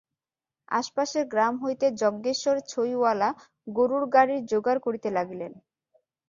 আশপাশের গ্রাম হইতে যজ্ঞেশ্বর ছইওয়ালা গোরুর গাড়ির জোগাড় করিতে লাগিলেন।